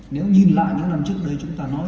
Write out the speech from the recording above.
nếu nhìn lại những năm trước đây chúng ta nói